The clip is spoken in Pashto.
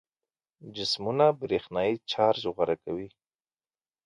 جسمونه برېښنايي چارج غوره کوي.